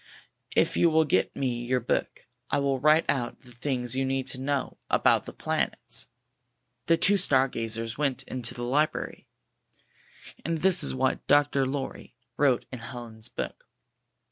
If you will get me your book, I will write out the things you need to know about the planets," The two star gazers went in to the library, and this is what Dr. Lorrj^ wrote in Helen's book.